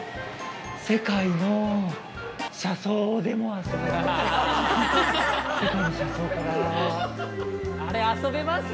世界の車窓でも遊べる。